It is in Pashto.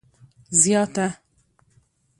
زیاته